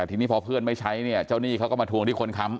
ทีนี้พอเพื่อนไม่ใช้เนี่ยเจ้าหนี้เขาก็มาทวงที่คนค้ำ